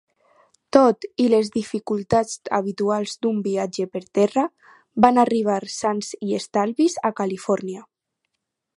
Tot i les dificultats habituals d'un viatge per terra, van arribar sans i estalvis a California.